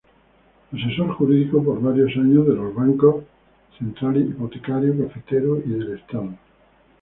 Asesor Jurídico por varios años, de los Bancos central Hipotecario, Cafetero y del Estado.